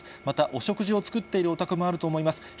また、お食事を作っているお宅もあると思います。